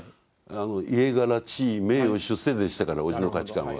家柄地位名誉出世でしたからおじの価値観は。